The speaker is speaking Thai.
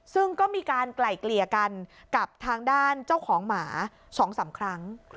ซึ่งก็มีการไกล่เกลี่ยกันกับทางด้านเจ้าของหมา๒๓ครั้ง